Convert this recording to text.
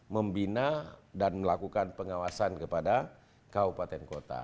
membina dan melakukan pengawasan kepada kaupaten kota